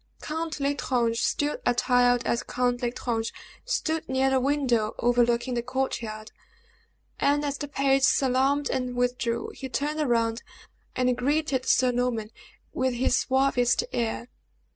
Count L'Estrange, still attired as Count L'Estrange, stood near a window overlooking the court yard, and as the page salaamed and withdrew, he turned round, and greeted Sir Norman with his suavest air.